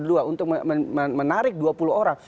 untuk menarik dua puluh orang